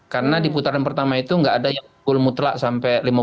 karena di putaran pertama itu nggak ada yang sepuluh mutlak sama satu